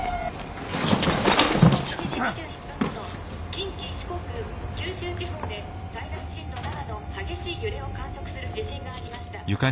「近畿四国九州地方で最大震度７の激しい揺れを観測する地震がありました。